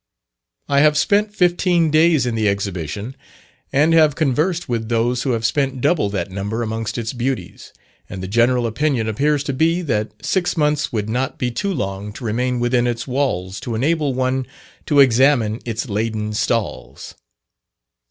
I have spent fifteen days in the Exhibition, and have conversed with those who have spent double that number amongst its beauties, and the general opinion appears to be, that six months would not be too long to remain within its walls to enable one to examine its laden stalls.